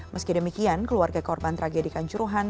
meski demikian keluarga korban tragedikan juruhan